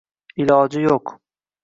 iloji yo’q